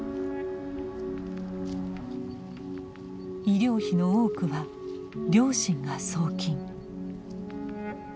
医療費の多くは両親が送金。